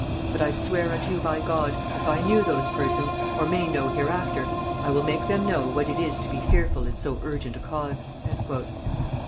But I swear unto you by God, if I knew those persons, or may know hereafter, I will make them know what it is to be fearful in so urgent a cause."